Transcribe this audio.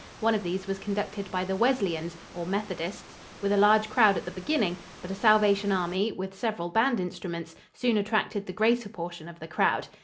One of these was conducted by the Wesleyans, or Methodists, with a large crowd at the beginning, but a Salvation Army, with several band instruments, soon attracted the greater portion of the crowd.